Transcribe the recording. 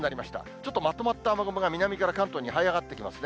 ちょっとまとまった雨雲が、南から関東にはい上がってきますね。